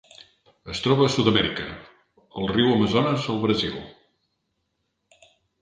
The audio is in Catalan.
Es troba a Sud-amèrica: el riu Amazones al Brasil.